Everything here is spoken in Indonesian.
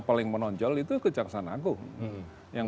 paling menonjol itu kejaksaan agung yang